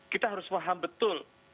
kita harus paham betul